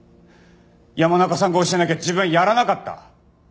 「山中さんが教えなきゃ自分はやらなかった」？